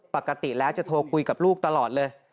ปกติแล้วจะโทรคุยกับลูกตลอดเลย